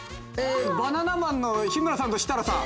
バナナマンの日村さんと設楽さん。